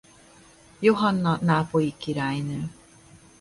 Johanna nápolyi királynő.